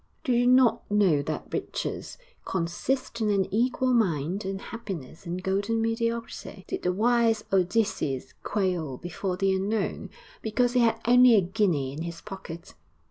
Do you not know that riches consist in an equal mind, and happiness in golden mediocrity? Did the wise Odysseus quail before the unknown, because he had only a guinea in his pocket?